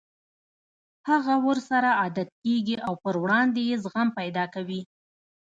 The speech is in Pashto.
هغه ورسره عادت کېږي او پر وړاندې يې زغم پيدا کوي.